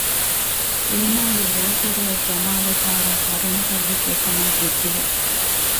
އޭނާގެ ލޯތެރެއަށް ޖަމާވެފައިވާ ކަރުނަތައްވެސް އެކަމަށް ހެކިވެ